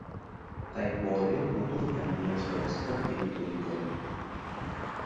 তাই পরে নতুন অ্যাম্বুলেন্স-ব্যবস্থা তিনি তৈরি করেন।